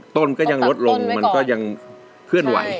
ต้นก็ยังลดลงมันก็ยังเคลื่อนไหว